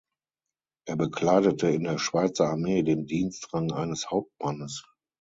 Er bekleidete in der Schweizer Armee den Dienstrang eines Hauptmannes.